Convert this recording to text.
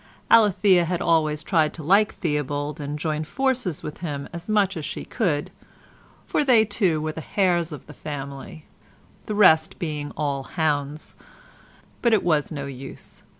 Alethea had always tried to like Theobald and join forces with him as much as she could (for they two were the hares of the family, the rest being all hounds), but it was no use.